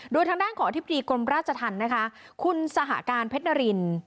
โดยทางด้านของอธิบดีกรมราชธรรมนะคะคุณสหการเพชรนาริน